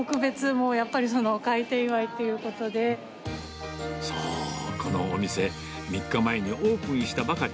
もうやっぱり、開店祝いというこそう、このお店、３日前にオープンしたばかり。